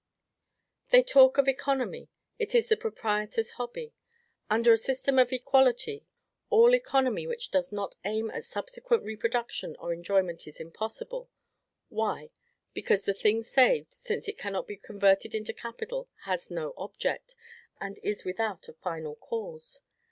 They talk of economy it is the proprietor's hobby. Under a system of equality, all economy which does not aim at subsequent reproduction or enjoyment is impossible why? Because the thing saved, since it cannot be converted into capital, has no object, and is without a FINAL CAUSE.